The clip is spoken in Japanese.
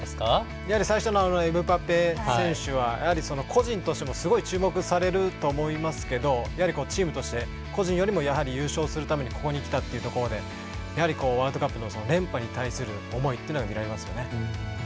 やはり最初のエムバペ選手はやはり個人としてもすごい注目されると思いますけどチームとして個人よりもやはり優勝するためにここに来たというところでやはりワールドカップの連覇に対する思いというのがみられますよね。